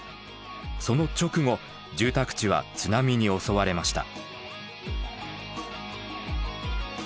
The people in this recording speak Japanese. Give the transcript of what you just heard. その直後住宅地は津波に襲われました。